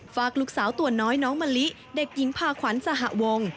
ฝากลูกสาวตัวน้อยน้องมะลิเด็กหญิงพาขวัญสหวง